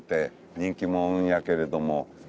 「人気もんやけれども」